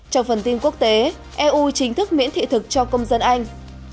trong phần tin quốc tế eu chính thức miễn thị thực cho công dân anh